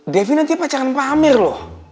devi nanti pacaran pamer loh